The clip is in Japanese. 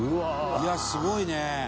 「いやすごいね！」